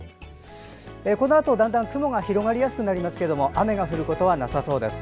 このあとだんだん雲が広がりやすくなりますが雨が降ることはなさそうです。